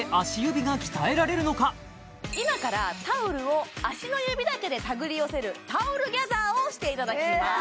今からタオルを足の指だけでたぐり寄せるタオルギャザーをしていただきます